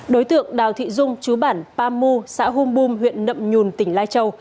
đối tượng đào thị dung chú bản pamu xã hung bum huyện nậm nhùn tỉnh lai châu